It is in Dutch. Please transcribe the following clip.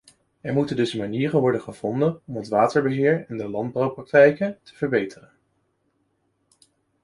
Er moeten dus manieren worden gevonden om het waterbeheer en de landbouwpraktijken te verbeteren.